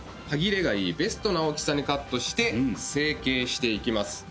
歯切れがいいベストな大きさにカットして成形していきます。